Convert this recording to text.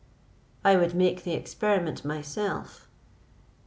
"I would make the experiment myself.